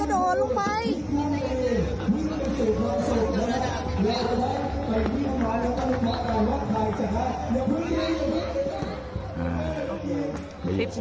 โอ้ยฮีโร่เลยกระโดดลงไป